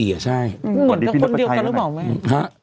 เหมือนแค่คนเดียวกันแล้วบอกแม่